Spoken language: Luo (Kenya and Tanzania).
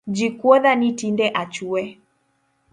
Ji kuodha ni tinde achue.